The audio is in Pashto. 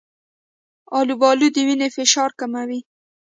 آلوبالو د وینې فشار کموي.